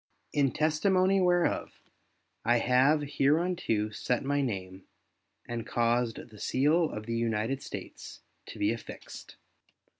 In testimony whereof, I have hereunto set my name, and caused the seal of the United States to be affixed.